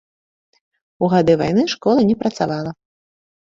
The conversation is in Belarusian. У гады вайны школа не працавала.